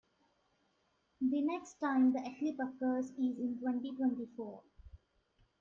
The next time the eclipse occurs is in twenty-twenty-four.